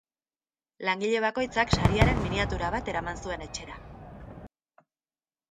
Langile bakoitzak sariaren miniatura bat eraman zuen etxera.